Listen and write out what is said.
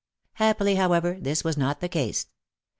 Happily, however, this was not the case.